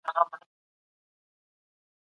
حکومت د ملي عاید د زیاتوالي لپاره پالیسۍ جوړي کړي وې.